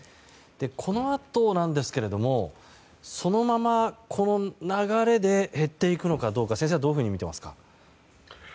このあとなんですがそのまま、この流れで減っていくのかどうか先生はどういうふうにみていますか？